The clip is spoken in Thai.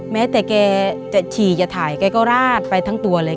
แม้แต่แกจะฉี่จะถ่ายแกก็ราดไปทั้งตัวเลย